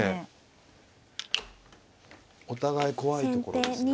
お互い怖いところですね。